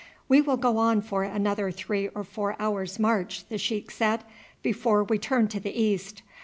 "We will go on for another three or four hours' march," the sheik said, "before we turn to the east.